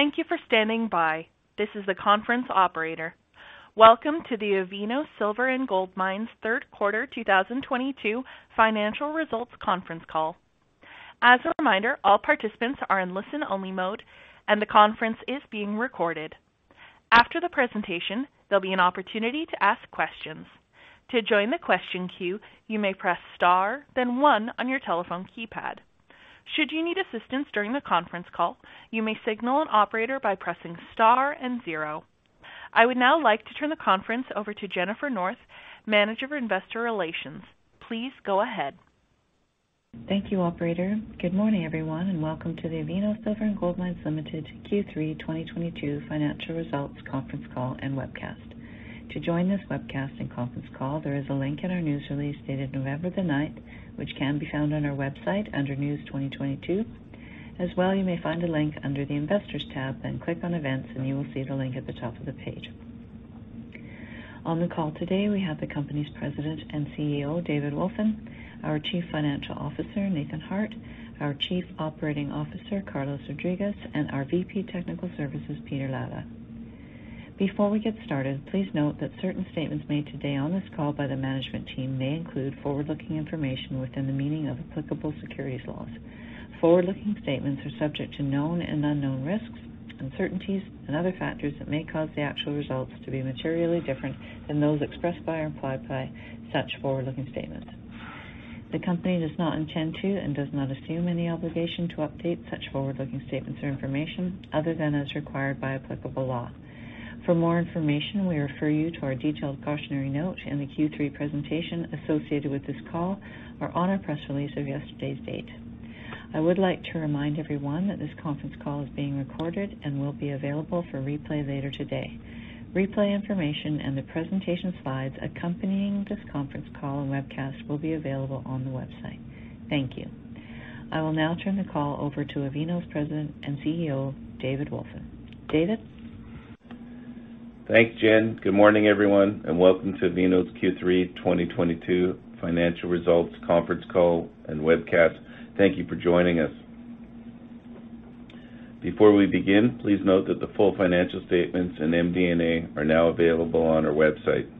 Thank you for standing by. This is the conference operator. Welcome to the Avino Silver & Gold Mines Third Quarter 2022 Financial Results Conference Call. As a reminder, all participants are in listen-only mode, and the conference is being recorded. After the presentation, there'll be an opportunity to ask questions. To join the question queue, you may press star, then one on your telephone keypad. Should you need assistance during the conference call, you may signal an operator by pressing star and zero. I would now like to turn the conference over to Jennifer North, Manager of Investor Relations. Please go ahead. Thank you, Operator. Good morning, everyone, and welcome to the Avino Silver & Gold Mines Limited. Q3 2022 financial results conference call and webcast. To join this webcast and conference call, there is a link in our news release dated November 9th, which can be found on our website under News 2022. As well, you may find a link under the Investors tab, then click on Events, and you will see the link at the top of the page. On the call today, we have the company's President and CEO, David Wolfin, our Chief Financial Officer, Nathan Harte, our Chief Operating Officer, Carlos Rodriguez, and our VP Technical Services, Peter Latta. Before we get started, please note that certain statements made today on this call by the management team may include forward-looking information within the meaning of applicable securities laws. Forward-looking statements are subject to known and unknown risks, uncertainties, and other factors that may cause the actual results to be materially different than those expressed by or implied by such forward-looking statements. The Company does not intend to and does not assume any obligation to update such forward-looking statements or information other than as required by applicable law. For more information, we refer you to our detailed cautionary note in the Q3 presentation associated with this call or on our press release of yesterday's date. I would like to remind everyone that this conference call is being recorded and will be available for replay later today. Replay information and the presentation slides accompanying this conference call and webcast will be available on the website. Thank you. I will now turn the call over to Avino's President and CEO, David Wolfin. David? Thanks, Jen. Good morning, everyone, and welcome to Avino's Q3 2022 financial results conference call and webcast. Thank you for joining us. Before we begin, please note that the full financial statements in MD&A are now available on our website.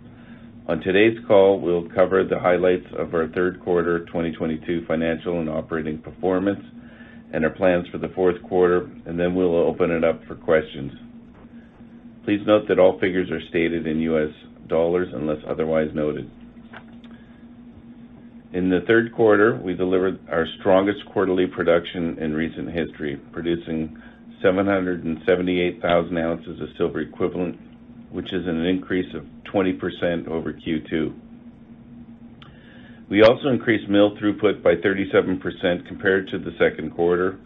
On today's call, we'll cover the highlights of our third quarter 2022 financial and operating performance and our plans for the fourth quarter, and then we'll open it up for questions. Please note that all figures are stated in US dollars unless otherwise noted. In the third quarter, we delivered our strongest quarterly production in recent history, producing 778,000 ounces of silver equivalent, which is an increase of 20% over Q2. We also increased mill throughput by 37% compared to the second quarter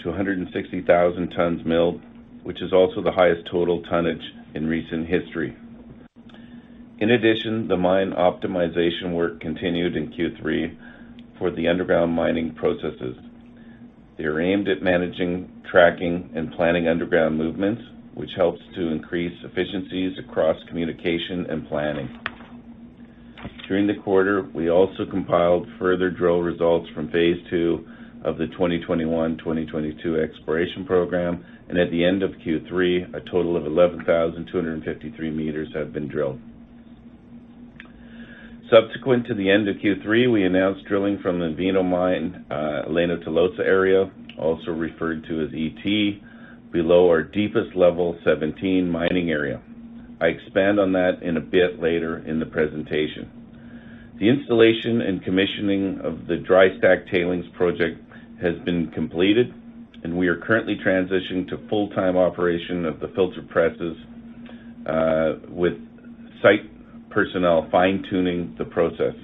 to 160,000 tons milled, which is also the highest total tonnage in recent history. In addition, the mine optimization work continued in Q3 for the underground mining processes. They are aimed at managing, tracking, and planning underground movements, which helps to increase efficiencies across communication and planning. During the quarter, we also compiled further drill results from Phase 2 of the 2021/2022 exploration program, and at the end of Q3, a total of 11,253 m have been drilled. Subsequent to the end of Q3, we announced drilling from the Avino Mine, Elena Tolosa Area, also referred to as ET, below our deepest Level 17 mining area. I expand on that in a bit later in the presentation. The installation and commissioning of the dry stack tailings project has been completed, and we are currently transitioning to full-time operation of the filter presses, with site personnel fine-tuning the process.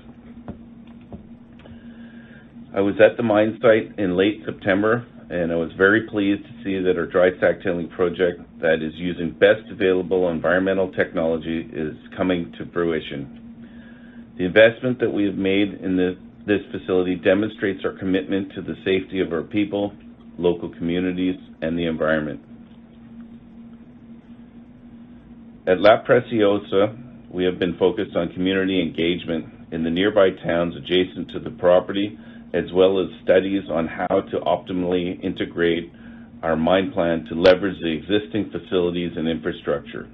I was at the mine site in late September, and I was very pleased to see that our dry stack tailings project that is using best available environmental technology is coming to fruition. The investment that we have made in this facility demonstrates our commitment to the safety of our people, local communities, and the environment. At La Preciosa, we have been focused on community engagement in the nearby towns adjacent to the property, as well as studies on how to optimally integrate our mine plan to leverage the existing facilities and infrastructure.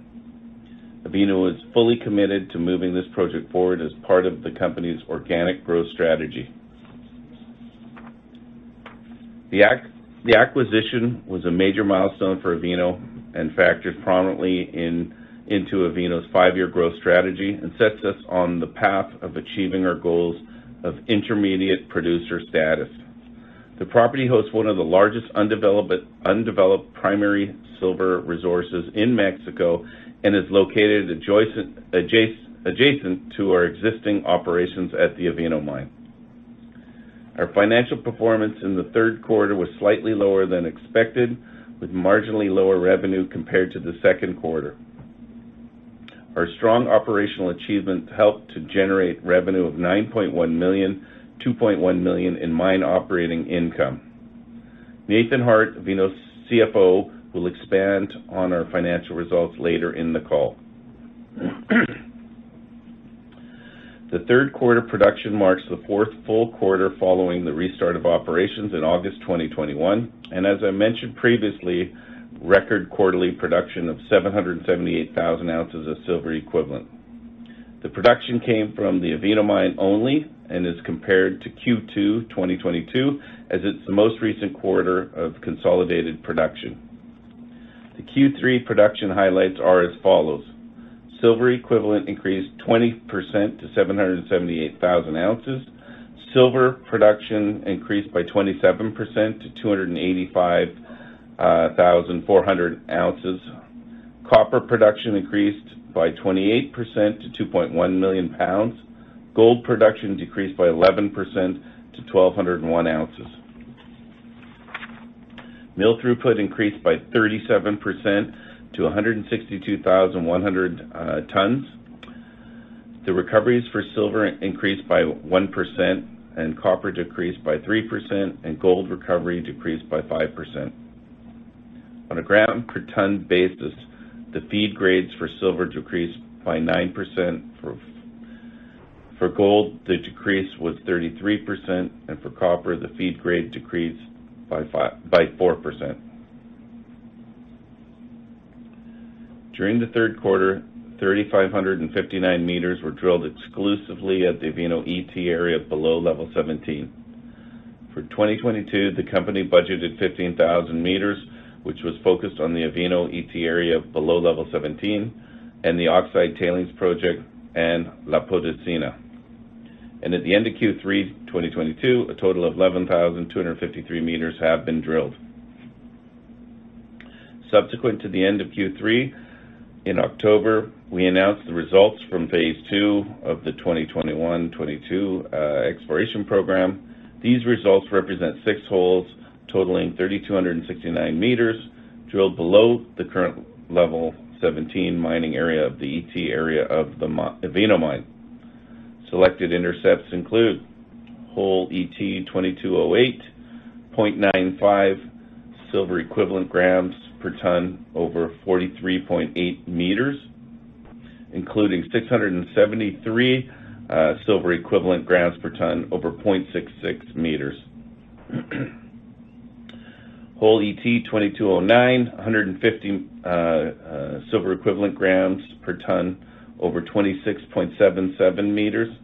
Avino is fully committed to moving this project forward as part of the company's organic growth strategy. The acquisition was a major milestone for Avino and factors prominently into Avino's five-year growth strategy and sets us on the path of achieving our goals of intermediate producer status. The property hosts one of the largest undeveloped primary silver resources in Mexico and is located adjacent to our existing operations at the Avino Mine. Our financial performance in the third quarter was slightly lower than expected, with marginally lower revenue compared to the second quarter. Our strong operational achievements helped to generate revenue of $9.1 million, $2.1 million in mine operating income. Nathan Harte, Avino's CFO, will expand on our financial results later in the call. The third quarter production marks the fourth full quarter following the restart of operations in August 2021. As I mentioned previously, record quarterly production of 778,000 ounces of silver equivalent. The production came from the Avino Mine only and is compared to Q2 2022 as it's the most recent quarter of consolidated production. The Q3 production highlights are as follows. Silver equivalent increased 20% to 778,000 ounces. Silver production increased by 27% to 285,400 ounces. Copper production increased by 28% to 2.1 million pounds. Gold production decreased by 11% to 1,201 ounces. Mill throughput increased by 37% to 162,100 tons. The recoveries for silver increased by 1%, and copper decreased by 3%, and gold recovery decreased by 5%. On a gram per ton basis, the feed grades for silver decreased by 9%. For gold, the decrease was 33%, and for copper, the feed grade decreased by 4%. During the third quarter, 3,559 m were drilled exclusively at the Avino ET area below Level 17. For 2022, the company budgeted 15,000 m, which was focused on the Avino ET area below Level 17, and the oxide tailings project and La Preciosa. At the end of Q3 2022, a total of 11,253 m have been drilled. Subsequent to the end of Q3, in October, we announced the results from Phase 2 of the 2021-2022 exploration program. These results represent six holes totaling 3,269 m drilled below the current Level 17 mining area of the ET area of the Avino Mine. Selected intercepts include hole ET2208, 0.95 silver equivalent grams per ton over 43.8 m, including 673 silver equivalent grams per ton over 0.66 m. Hole ET2209, 150 silver equivalent grams per ton over 26.77 m,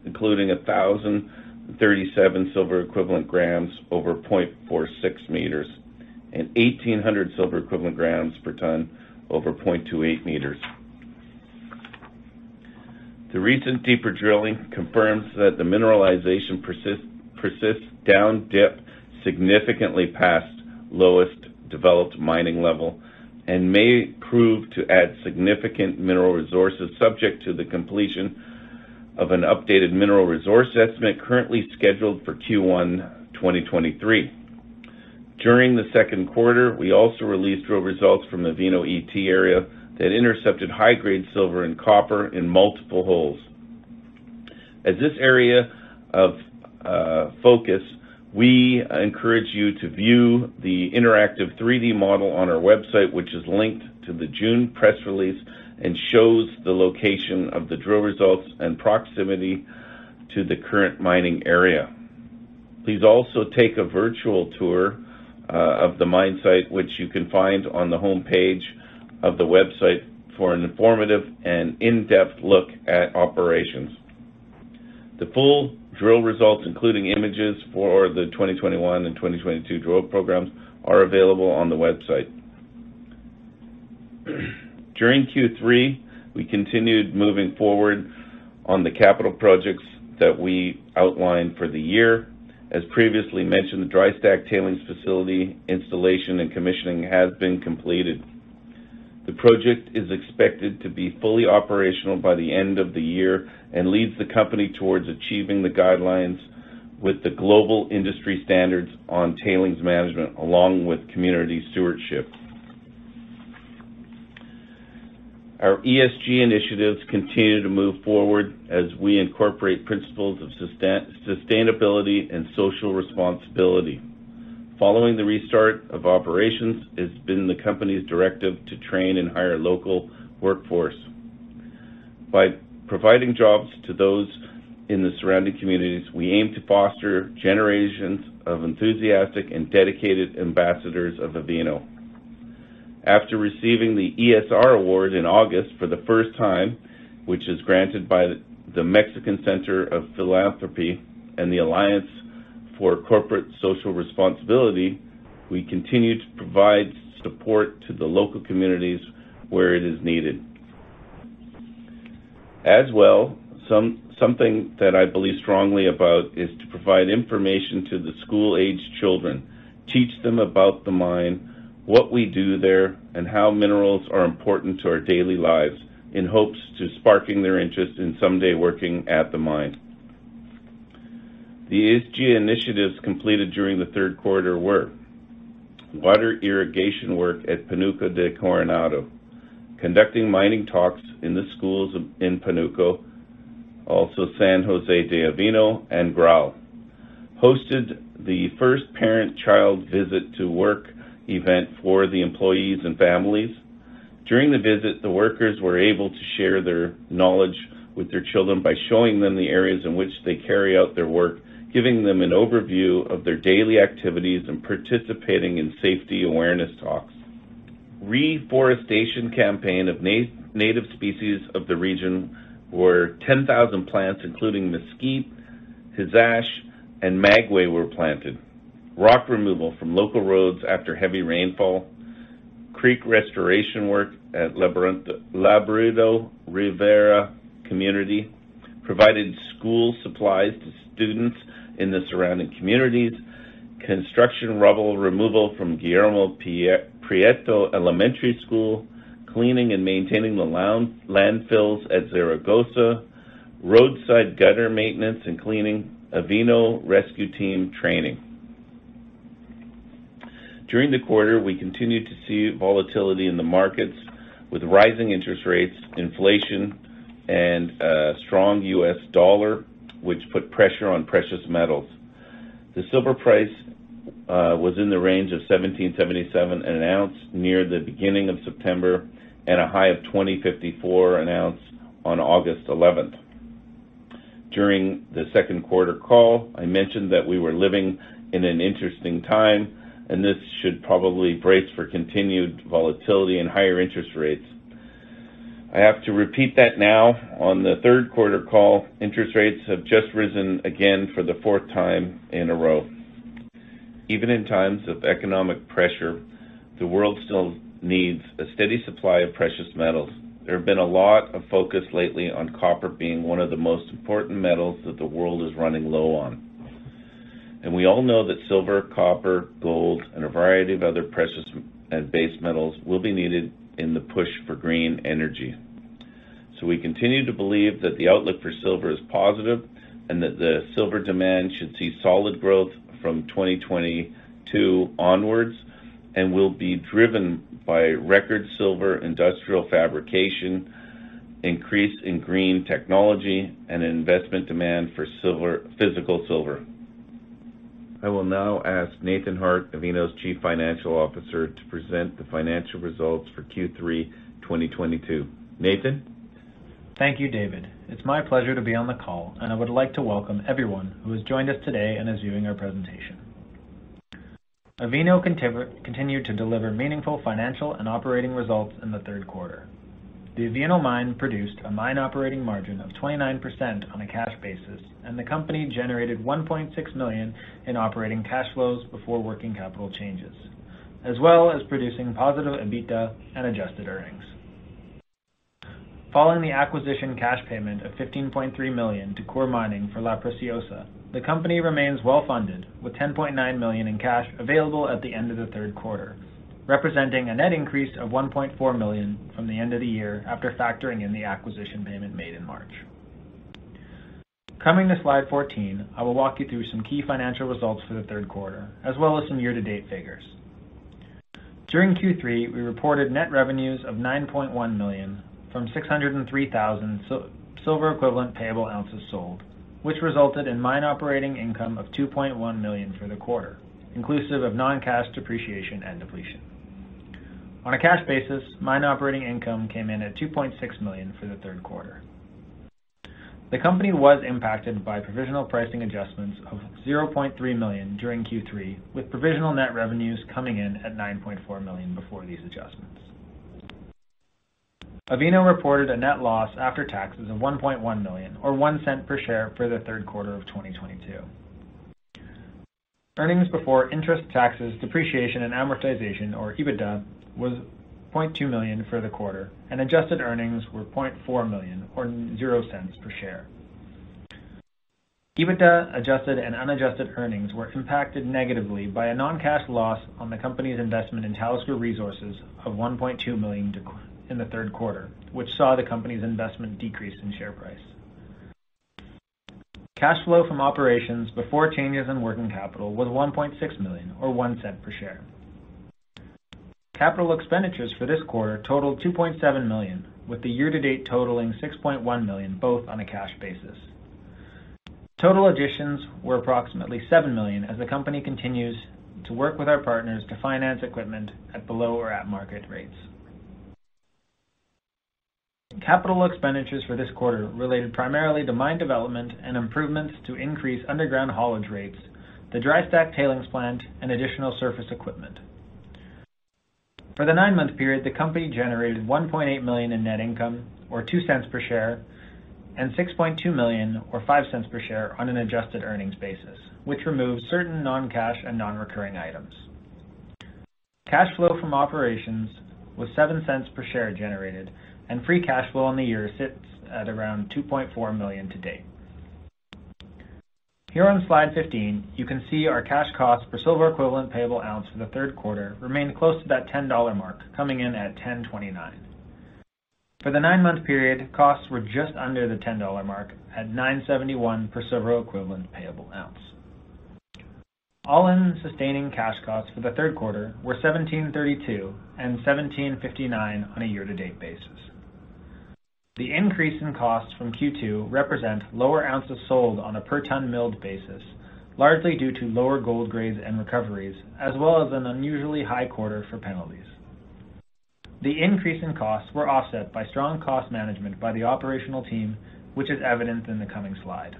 including 1,037 silver equivalent grams over 0.46 m, and 1,800 silver equivalent grams per ton over 0.28 m. The recent deeper drilling confirms that the mineralization persists down dip significantly past lowest developed mining level and may prove to add significant mineral resources subject to the completion of an updated mineral resource estimate currently scheduled for Q1 2023. During the second quarter, we also released drill results from the Avino ET area that intercepted high-grade silver and copper in multiple holes. At this area of focus, we encourage you to view the interactive 3D model on our website, which is linked to the June press release and shows the location of the drill results and proximity to the current mining area. Please also take a virtual tour of the mine site, which you can find on the homepage of the website for an informative and in-depth look at operations. The full drill results, including images for the 2021 and 2022 drill programs, are available on the website. During Q3, we continued moving forward on the capital projects that we outlined for the year. As previously mentioned, the dry stack tailings facility installation and commissioning has been completed. The project is expected to be fully operational by the end of the year and leads the company towards achieving the guidelines with the Global Industry Standard on Tailings Management along with community stewardship. Our ESG initiatives continue to move forward as we incorporate principles of sustainability and social responsibility. Following the restart of operations, it's been the company's directive to train and hire local workforce. By providing jobs to those in the surrounding communities, we aim to foster generations of enthusiastic and dedicated ambassadors of Avino. After receiving the ESR award in August for the first time, which is granted by the Mexican Center for Philanthropy and the Alliance for Corporate Social Responsibility, we continue to provide support to the local communities where it is needed. Something that I believe strongly about is to provide information to the school-aged children, teach them about the mine, what we do there, and how minerals are important to our daily lives in hopes to sparking their interest in someday working at the mine. The ESG initiatives completed during the third quarter were water irrigation work at Pánuco de Coronado, conducting mining talks in the schools in Pánuco, also San José de Avino and Garay. Hosted the first parent-child visit to work event for the employees and families. During the visit, the workers were able to share their knowledge with their children by showing them the areas in which they carry out their work, giving them an overview of their daily activities, and participating in safety awareness talks. Reforestation campaign of native species of the region where 10,000 plants, including mesquite, huizache, and maguey, were planted. Rock removal from local roads after heavy rainfall. Creek restoration work at Librado Rivera community. Provided school supplies to students in the surrounding communities. Construction rubble removal from Guillermo Prieto Elementary School. Cleaning and maintaining the town landfills at Zaragoza. Roadside gutter maintenance and cleaning. Avino Rescue Team training. During the quarter, we continued to see volatility in the markets with rising interest rates, inflation, and a strong U.S. dollar, which put pressure on precious metals. The silver price was in the range of $17.77 an ounce near the beginning of September and a high of $20.54 an ounce on August 11th. During the second quarter call, I mentioned that we were living in an interesting time, and this should probably brace for continued volatility and higher interest rates. I have to repeat that now on the third quarter call, interest rates have just risen again for the fourth time in a row. Even in times of economic pressure, the world still needs a steady supply of precious metals. There have been a lot of focus lately on copper being one of the most important metals that the world is running low on. We all know that silver, copper, gold, and a variety of other precious base metals will be needed in the push for green energy. We continue to believe that the outlook for silver is positive and that the silver demand should see solid growth from 2022 onwards and will be driven by record silver industrial fabrication, increase in green technology, and investment demand for silver physical silver. I will now ask Nathan Harte, Avino's Chief Financial Officer, to present the financial results for Q3 2022. Nathan. Thank you, David. It's my pleasure to be on the call, and I would like to welcome everyone who has joined us today and is viewing our presentation. Avino continued to deliver meaningful financial and operating results in the third quarter. The Avino Mine produced a mine operating margin of 29% on a cash basis, and the company generated $1.6 million in operating cash flows before working capital changes, as well as producing positive EBITDA and adjusted earnings. Following the acquisition cash payment of $15.3 million to Coeur Mining for La Preciosa, the company remains well-funded with $10.9 million in cash available at the end of the third quarter, representing a net increase of $1.4 million from the end of the year after factoring in the acquisition payment made in March. Coming to slide 14, I will walk you through some key financial results for the third quarter, as well as some year-to-date figures. During Q3, we reported net revenues of $9.1 million from 603,000 silver equivalent payable ounces sold, which resulted in mine operating income of $2.1 million for the quarter, inclusive of non-cash depreciation and depletion. On a cash basis, mine operating income came in at $2.6 million for the third quarter. The company was impacted by provisional pricing adjustments of $0.3 million during Q3, with provisional net revenues coming in at $9.4 million before these adjustments. Avino reported a net loss after taxes of $1.1 million or $0.01 per share for the third quarter of 2022. Earnings before interest, taxes, depreciation, and amortization, or EBITDA, was $0.2 million for the quarter, and adjusted earnings were $0.4 million or $0.00 per share. EBITDA, adjusted, and unadjusted earnings were impacted negatively by a non-cash loss on the company's investment in Talisker Resources of $1.2 million decline in the third quarter, which saw the company's investment decrease in share price. Cash flow from operations before changes in working capital was $1.6 million or $0.01 per share. Capital expenditures for this quarter totaled $2.7 million, with the year-to-date totaling $6.1 million, both on a cash basis. Total additions were approximately $7 million as the company continues to work with our partners to finance equipment at below or at market rates. Capital expenditures for this quarter related primarily to mine development and improvements to increase underground haulage rates, the dry stack tailings plant, and additional surface equipment. For the nine-month period, the company generated $1.8 million in net income or $0.02 per share and $6.2 million or $0.05 per share on an adjusted earnings basis, which removes certain non-cash and non-recurring items. Cash flow from operations was $0.07 per share generated, and free cash flow on the year sits at around $2.4 million to date. Here on slide 15, you can see our cash cost per silver equivalent payable ounce for the third quarter remained close to that $10 mark, coming in at $10.29. For the nine-month period, costs were just under the $10 mark at $9.71 per silver equivalent payable ounce. All-in sustaining cash costs for the third quarter were $1,732 and $1,759 on a year-to-date basis. The increase in costs from Q2 represent lower ounces sold on a per ton milled basis, largely due to lower gold grades and recoveries, as well as an unusually high quarter for penalties. The increase in costs were offset by strong cost management by the operational team, which is evident in the coming slide.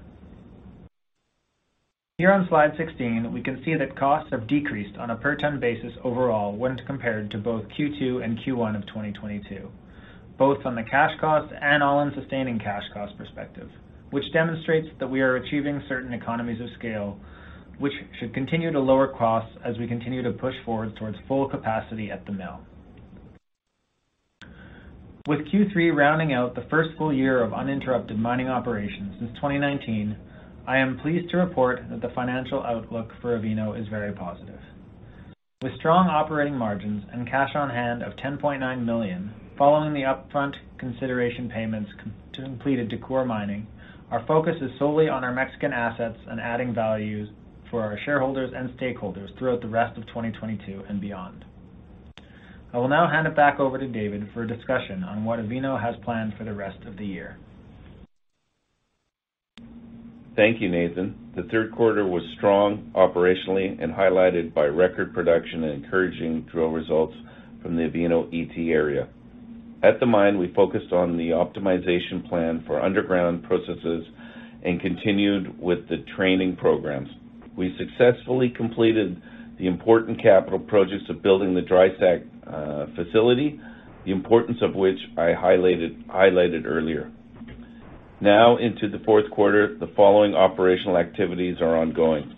Here on slide 16, we can see that costs have decreased on a per ton basis overall when compared to both Q2 and Q1 of 2022, both on the cash cost and all-in sustaining cash cost perspective, which demonstrates that we are achieving certain economies of scale, which should continue to lower costs as we continue to push forward towards full capacity at the mill. With Q3 rounding out the first full year of uninterrupted mining operations since 2019, I am pleased to report that the financial outlook for Avino is very positive. With strong operating margins and cash on hand of $10.9 million following the upfront consideration payments to Coeur Mining, our focus is solely on our Mexican assets and adding values for our shareholders and stakeholders throughout the rest of 2022 and beyond. I will now hand it back over to David for a discussion on what Avino has planned for the rest of the year. Thank you, Nathan. The third quarter was strong operationally and highlighted by record production and encouraging drill results from the Avino ET area. At the mine, we focused on the optimization plan for underground processes and continued with the training programs. We successfully completed the important capital projects of building the dry stack facility, the importance of which I highlighted earlier. Now into the fourth quarter, the following operational activities are ongoing.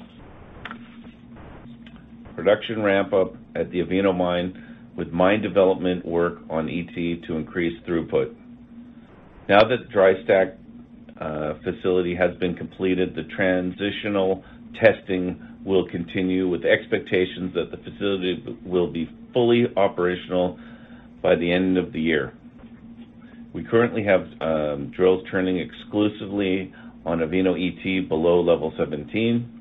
Production ramp up at the Avino mine with mine development work on ET to increase throughput. Now that the dry stack facility has been completed, the transitional testing will continue with expectations that the facility will be fully operational by the end of the year. We currently have drills turning exclusively on Avino ET below Level 17.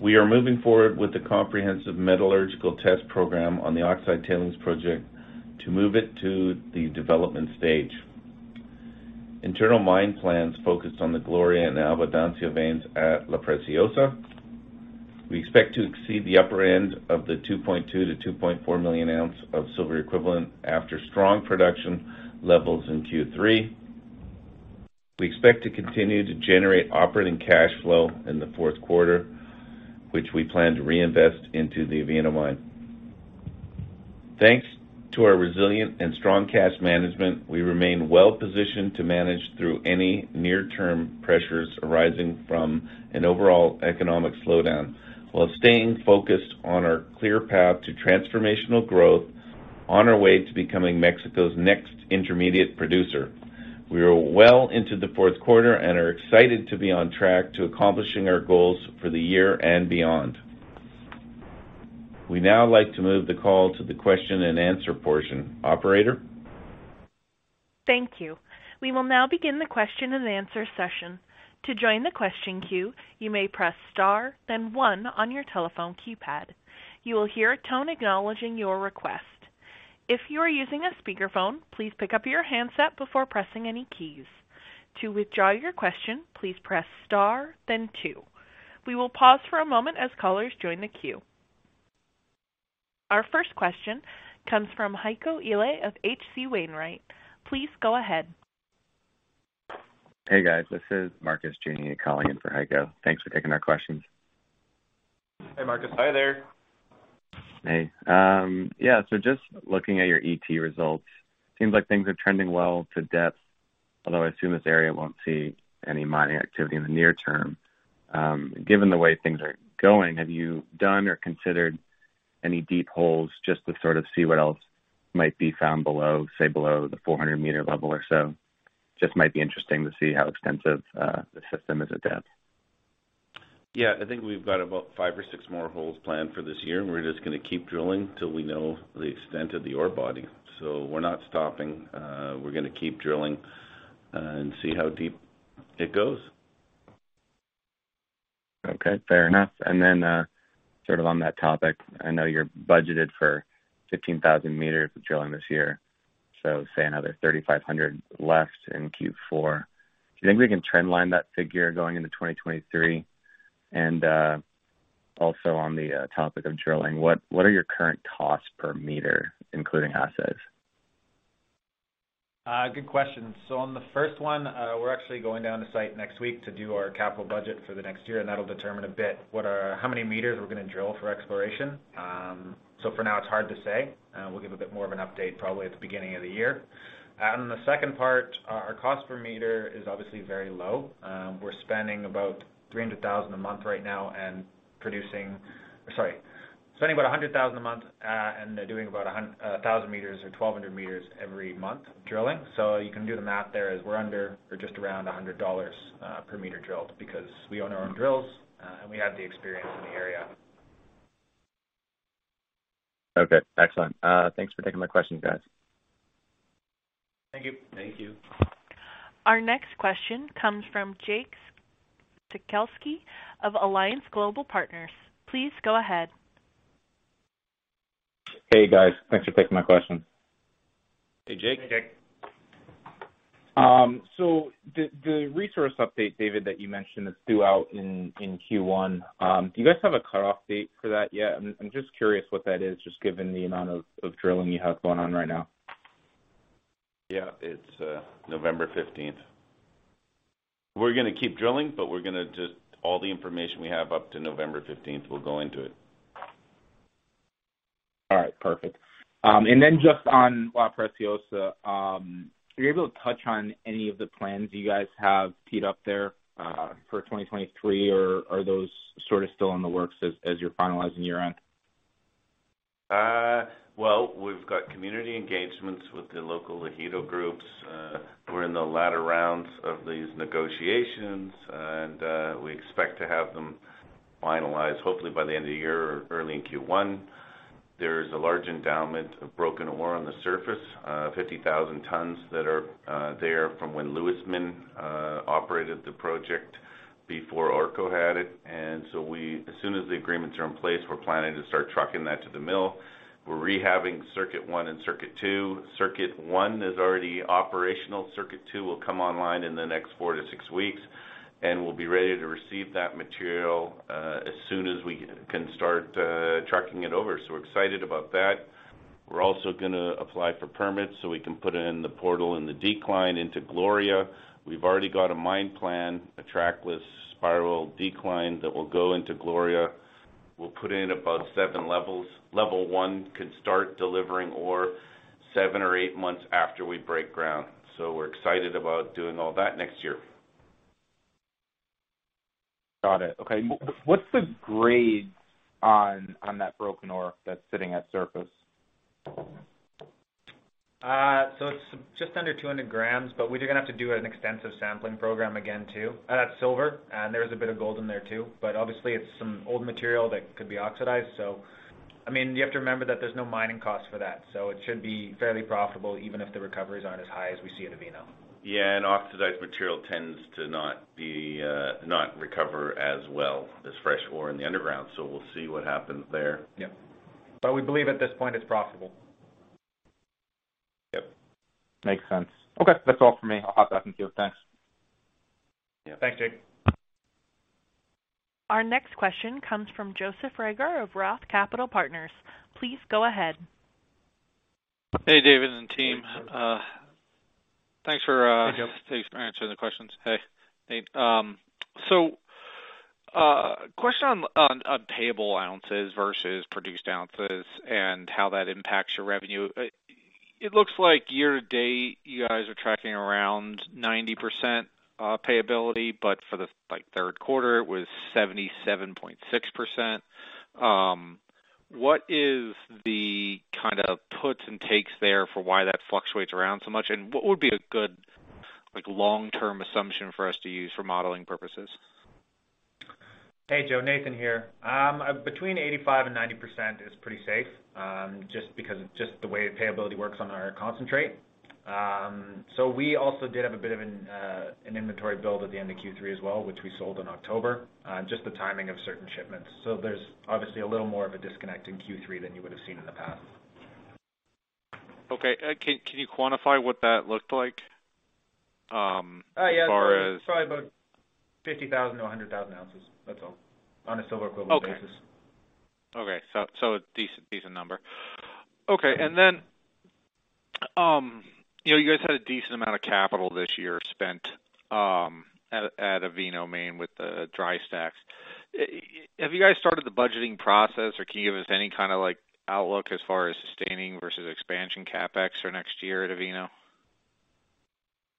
We are moving forward with the comprehensive metallurgical test program on the oxide tailings project to move it to the development stage. Internal mine plans focused on the Gloria and Abundancia veins at La Preciosa. We expect to exceed the upper end of the 2.2-2.4 million ounces of silver equivalent after strong production levels in Q3. We expect to continue to generate operating cash flow in the fourth quarter, which we plan to reinvest into the Avino mine. Thanks to our resilient and strong cash management, we remain well positioned to manage through any near-term pressures arising from an overall economic slowdown while staying focused on our clear path to transformational growth on our way to becoming Mexico's next intermediate producer. We are well into the fourth quarter and are excited to be on track to accomplishing our goals for the year and beyond. We'd now like to move the call to the question and answer portion. Operator? Thank you. We will now begin the question-and-answer session. To join the question queue, you may press star, then one on your telephone keypad. You will hear a tone acknowledging your request. If you are using a speakerphone, please pick up your handset before pressing any keys. To withdraw your question, please press star then two. We will pause for a moment as callers join the queue. Our first question comes from Heiko Ihle of H.C. Wainwright. Please go ahead. Hey, guys. This is Marcus Giannini calling in for Heiko. Thanks for taking our questions. Hey, Marcus. Hi there. Hey. Yeah, so just looking at your ET results, seems like things are trending well to depth, although I assume this area won't see any mining activity in the near term. Given the way things are going, have you done or considered any deep holes just to sort of see what else might be found below, say below the 400 m level or so? Just might be interesting to see how extensive the system is at depth. Yeah. I think we've got about five or six more holes planned for this year, and we're just going to keep drilling till we know the extent of the ore body. We're not stopping, we're going to keep drilling, and see how deep it goes. Okay, fair enough. Sort of on that topic, I know you're budgeted for 15,000 m of drilling this year, so say another 3,500 left in Q4. Do you think we can trend line that figure going into 2023? Also on the topic of drilling, what are your current costs per meter, including assays? Good questions. On the first one, we're actually going down to site next week to do our capital budget for the next year, and that'll determine a bit what our how many meters we're going to drill for exploration. For now it's hard to say. We'll give a bit more of an update probably at the beginning of the year. The second part, our cost per meter is obviously very low. We're spending about $100,000 a month right now and doing about 1,000 m or 1,200 m every month drilling. You can do the math there as we're under or just around $100 per meter drilled because we own our own drills and we have the experience in the area. Okay, excellent. Thanks for taking my questions, guys. Thank you. Thank you. Our next question comes from Jake Sekelsky of Alliance Global Partners. Please go ahead. Hey guys, thanks for taking my question. Hey, Jake. The resource update, David, that you mentioned is due out in Q1. Do you guys have a cutoff date for that yet? I'm just curious what that is, just given the amount of drilling you have going on right now. Yeah. It's November 15th. We're going to keep drilling, but all the information we have up to November 15th will go into it. All right, perfect. Just on La Preciosa, are you able to touch on any of the plans you guys have teed up there, for 2023, or are those sort of still in the works as you're finalizing year-end? Well, we've got community engagements with the local Ejido groups. We're in the latter rounds of these negotiations and we expect to have them finalized hopefully by the end of the year or early in Q1. There is a large endowment of broken ore on the surface, 50,000 tons that are there from when Luismin operated the project before Orko had it. We, as soon as the agreements are in place, we're planning to start trucking that to the mill. We're rehabbing circuit 1 and circuit 2. Circuit 1 is already operational. Circuit 2 will come online in the next four to six weeks, and we'll be ready to receive that material as soon as we can start trucking it over. We're excited about that. We're also going to apply for permits, so we can put it in the portal in the decline into Gloria. We've already got a mine plan, a trackless spiral decline that will go into Gloria. We'll put in about seven levels. Level 1 could start delivering or seven or eight months after we break ground. We're excited about doing all that next year. Got it. Okay. What's the grade on that broken ore that's sitting at surface? It's just under 200 g, but we're just going to have to do an extensive sampling program again too. That's silver, and there is a bit of gold in there too, but obviously it's some old material that could be oxidized. I mean, you have to remember that there's no mining cost for that, so it should be fairly profitable even if the recoveries aren't as high as we see at Avino. Yeah, oxidized material tends to not recover as well as fresh ore in the underground. We'll see what happens there. Yeah. We believe at this point it's profitable. Yes. Makes sense. Okay. That's all for me. I'll pass it back to you. Thanks. Yeah. Thanks, Jake. Our next question comes from Joseph Reagor of Roth Capital Partners. Please go ahead. Hey, David and team. Thanks for, Hey, Joe. Thanks for answering the questions. Hey, Nate. Question on payable ounces versus produced ounces and how that impacts your revenue. It looks like year to date, you guys are tracking around 90% payability, but for the like third quarter, it was 77.6%. What is the kind of puts and takes there for why that fluctuates around so much? What would be a good like long-term assumption for us to use for modeling purposes? Hey, Joe, Nathan here. Between 85% and 90% is pretty safe, just because of the way payability works on our concentrate. We also did have a bit of an inventory build at the end of Q3 as well, which we sold in October, just the timing of certain shipments. There's obviously a little more of a disconnect in Q3 than you would have seen in the past. Okay. Can you quantify what that looked like, as far as- Yeah. Probably about 50,000-100,000 ounces. That's all, on a silver equivalent basis. Okay. A decent number. Okay. You know, you guys had a decent amount of capital this year spent at Avino mine with the dry stacks. Have you guys started the budgeting process, or can you give us any kind of like outlook as far as sustaining versus expansion CapEx for next year at Avino?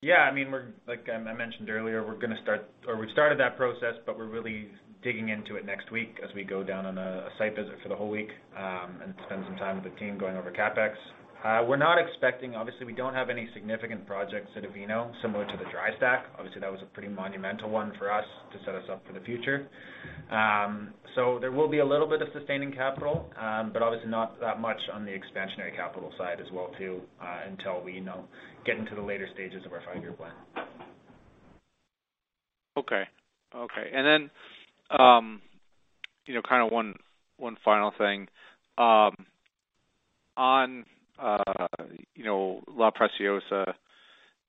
Yeah, I mean, we're, like, I mentioned earlier, we're going to start or we've started that process, but we're really digging into it next week as we go down on a site visit for the whole week, and spend some time with the team going over CapEx. We're not expecting. Obviously, we don't have any significant projects at Avino similar to the dry stack. Obviously, that was a pretty monumental one for us to set us up for the future. So there will be a little bit of sustaining capital, but obviously not that much on the expansionary capital side as well too, until we, you know, get into the later stages of our five-year plan. Okay. You know, kind of one final thing. On, you know, La Preciosa,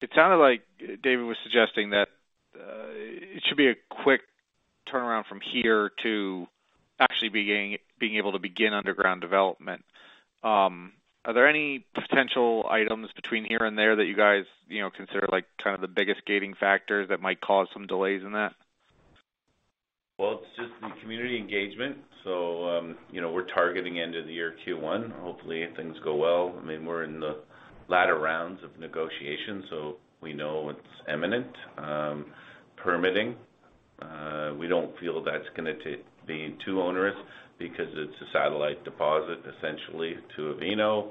it sounded like David was suggesting that it should be a quick turnaround from here to actually being able to begin underground development. Are there any potential items between here and there that you guys, you know, consider like kind of the biggest gating factor that might cause some delays in that? Well, it's just the community engagement. You know, we're targeting end of the year Q1. Hopefully, things go well. I mean, we're in the latter rounds of negotiation, so we know it's imminent. Permitting, we don't feel that's going to take to be too onerous because it's a satellite deposit essentially to Avino.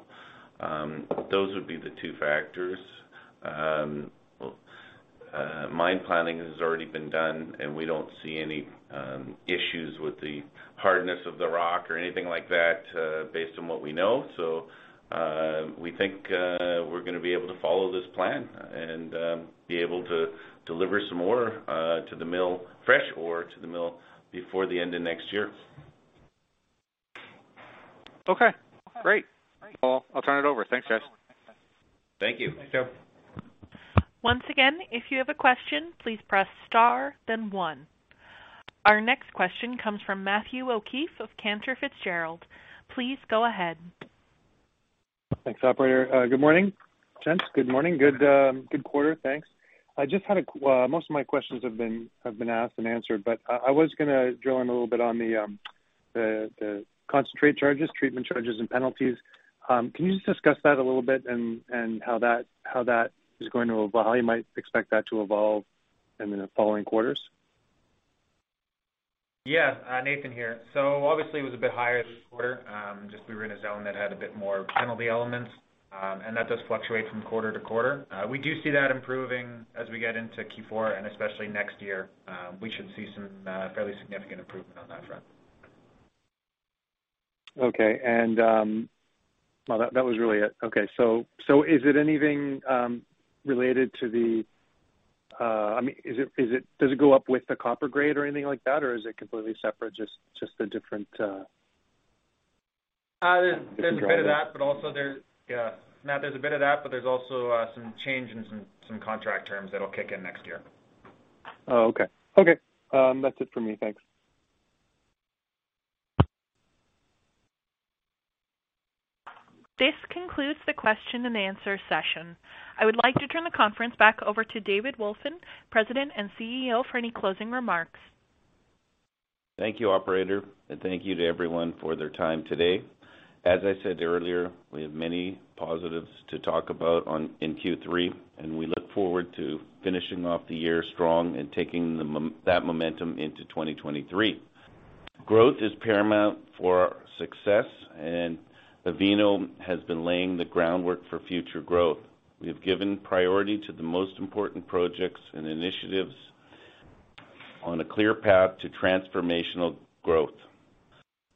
Those would be the two factors. Mine planning has already been done, and we don't see any issues with the hardness of the rock or anything like that, based on what we know. We think we're going to be able to follow this plan and be able to deliver some ore to the mill, fresh ore to the mill before the end of next year. Okay, great. Well, I'll turn it over. Thanks, guys. Thank you. Thanks, Joe. Once again, if you have a question, please press star then one. Our next question comes from Matthew O'Keefe of Cantor Fitzgerald. Please go ahead. Thanks, operator. Good morning, gents. Good morning. Good quarter. Thanks. I just had most of my questions have been asked and answered, but I was going to drill in a little bit on the concentrate charges, treatment charges and penalties. Can you just discuss that a little bit and how that is going to evolve, how you might expect that to evolve in the following quarters? Nathan here. Obviously, it was a bit higher this quarter, just we were in a zone that had a bit more penalty elements, and that does fluctuate from quarter to quarter. We do see that improving as we get into Q4, and especially next year, we should see some fairly significant improvement on that front. Okay. Well, that was really it. Okay. Is it anything related to the, I mean, is it? Does it go up with the copper grade or anything like that, or is it completely separate, just a different? There's a bit of that, but also there's. Yeah. No, there's a bit of that, but there's also some change in some contract terms that'll kick in next year. Oh, okay. That's it for me. Thanks. This concludes the question-and-answer session. I would like to turn the conference back over to David Wolfin, President and CEO, for any closing remarks. Thank you, Operator, and thank you to everyone for their time today. As I said earlier, we have many positives to talk about in Q3, and we look forward to finishing off the year strong and taking that momentum into 2023. Growth is paramount for our success, and Avino has been laying the groundwork for future growth. We have given priority to the most important projects and initiatives on a clear path to transformational growth.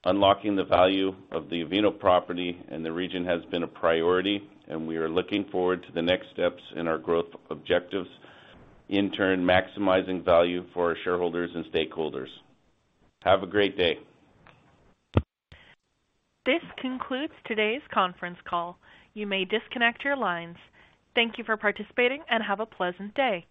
Unlocking the value of the Avino property and the region has been a priority, and we are looking forward to the next steps in our growth objectives, in turn maximizing value for our shareholders and stakeholders. Have a great day. This concludes today's conference call. You may disconnect your lines. Thank you for participating and have a pleasant day.